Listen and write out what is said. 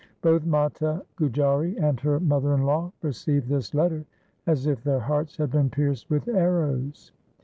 Both Mata Gujari and her mother in law received this letter as if their hearts had been pierced with arrows.